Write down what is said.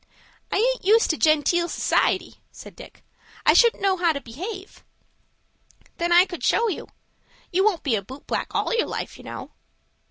"I aint used to genteel society," said Dick. "I shouldn't know how to behave." "Then I could show you. You won't be a boot black all your life, you know."